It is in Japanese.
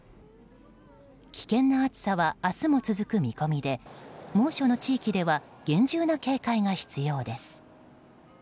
危険な暑さは明日も続く見込みで猛暑の地域では厳重な警戒が必要です。